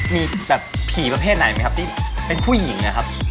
มีแบบผีประเภทไหนไหมครับที่เป็นผู้หญิงนะครับ